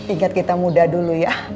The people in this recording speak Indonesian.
ingat kita muda dulu ya